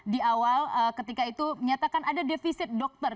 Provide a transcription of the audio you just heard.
di awal ketika itu menyatakan ada defisit dokter